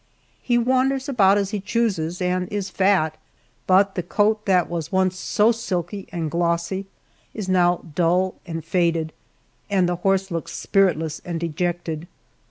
He wanders about as he chooses and is fat, but the coat that was once so silky and glossy is now dull and faded, and the horse looks spiritless and dejected.